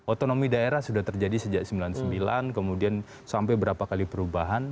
otonomi daerah sudah terjadi sejak seribu sembilan ratus sembilan puluh sembilan kemudian sampai berapa kali perubahan